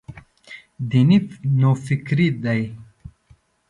دیني نوفکري دی.